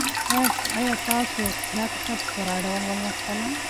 آیا تاسو دا کیسه په پوره ډول ولوستله؟